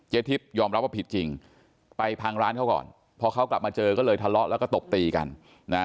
ทิพย์ยอมรับว่าผิดจริงไปพังร้านเขาก่อนพอเขากลับมาเจอก็เลยทะเลาะแล้วก็ตบตีกันนะ